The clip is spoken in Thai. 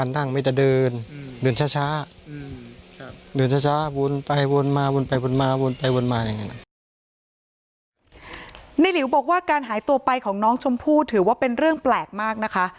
ในหลิวบอกว่าการหายตัวไปของน้องชมพู่ถือว่าเป็นเรื่องแปลกมากนะคะ